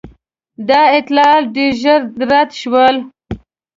دا اطلاعات ډېر ژر رد شول.